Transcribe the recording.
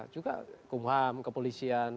juga kumham kepolisian